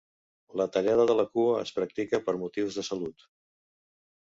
La tallada de la cua es practica per motius de salut.